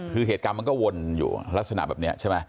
คือเหตุการณ์มันก็วนอยู่ลักษณะแบบนี้ใช่ไหม